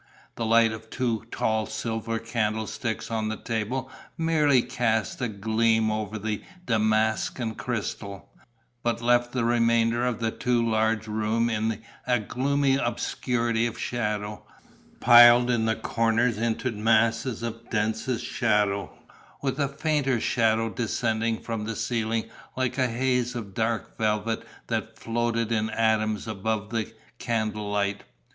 The light of two tall silver candle sticks on the table merely cast a gleam over the damask and crystal, but left the remainder of the too large room in a gloomy obscurity of shadow, piled in the corners into masses of densest shadow, with a fainter shadow descending from the ceiling like a haze of dark velvet that floated in atoms above the candlelight.